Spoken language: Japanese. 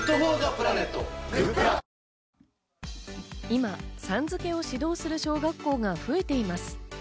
今、さん付けを指導する小学校が増えています。